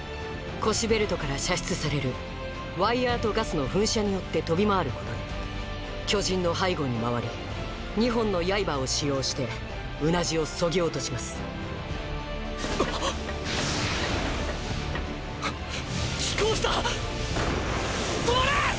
腰ベルトから射出されるワイヤーとガスの噴射によって飛び回ることで巨人の背後に回り２本の刃を使用してうなじを削ぎ落としますはっ！